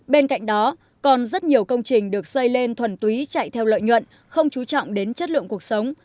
bên cạnh đó còn rất nhiều công trình được xây lên thuần túy chạy theo lợi nhuận không chú trọng đến chất lượng cuộc sống